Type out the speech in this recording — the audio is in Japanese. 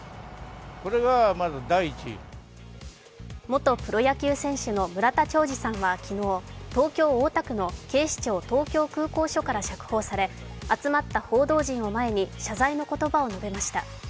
元プロ野球選手の村田兆治さんは昨日、東京・大田区の警視庁東京空港署から釈放され集まった報道陣を前に謝罪の言葉を述べました。